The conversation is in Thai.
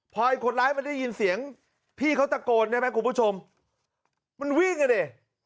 พอไอ้คนร้ายมันได้ยินเสียงพี่เขาตะโกนได้ไหมคุณผู้ชมมันวิ่งอ่ะดิ